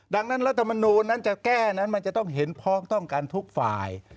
ดังนั้นรัฐมนูลนั้นจะแก้นั้นมันจะต้องเห็นพ้องต้องกันทุกฝ่าย